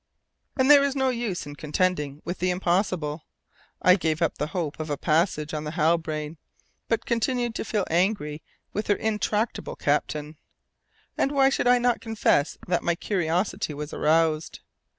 As there is no use in contending with the impossible, I gave up the hope of a passage on the Halbrane, but continued to feel angry with her intractable captain. And why should I not confess that my curiosity was aroused?